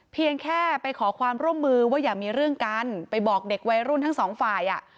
เพียงแค่ไปขอความร่วมมือว่าอย่ามีเรื่องกันไปบอกเด็กวัยรุ่นทั้งสองฝ่ายอ่ะ